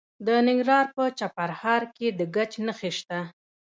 د ننګرهار په چپرهار کې د ګچ نښې شته.